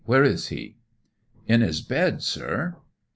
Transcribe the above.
Where is he?" "In his bed, sir."